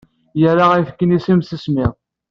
Yerra ayefki-nni s imsismeḍ.